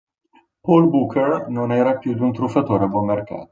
Paul Booker non era più di un truffatore a buon mercato.